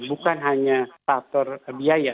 bukan hanya faktor biaya